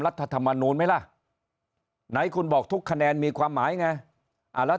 รัฐธรรมนูลไหมล่ะไหนคุณบอกทุกคะแนนมีความหมายไงแล้ว